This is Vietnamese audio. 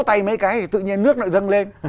vỗ tay mấy cái thì tự nhiên nước nội dân lên